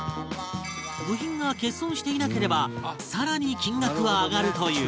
部品が欠損していなければ更に金額は上がるという